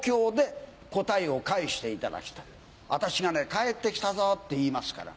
「帰ってきたぞ」って言いますから。